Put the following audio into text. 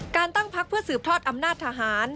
การตั้งพักเพื่อสืบทอดอำนาจทหาร